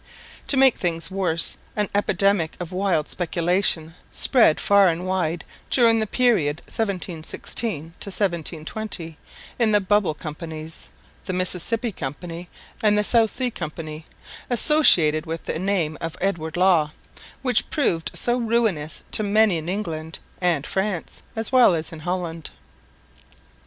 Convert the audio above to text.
To make things worse an epidemic of wild speculation spread far and wide during the period 1716 1720 in the bubble companies, the Mississippi Company and the South Sea Company, associated with the name of Edward Law, which proved so ruinous to many in England and France, as well as in Holland.